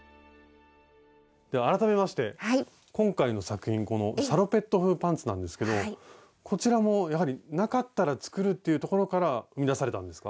では改めまして今回の作品このサロペット風パンツなんですけどこちらもやはりなかったら作るっていうところから生み出されたんですか？